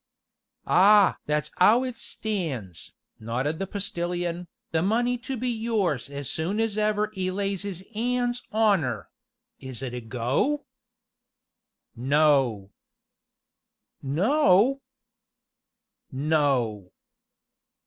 "Ah! that's 'ow it stands," nodded the Postilion, "the money to be yours as soon as ever 'e lays 'ands on 'er is it a go?" "No!" "No?"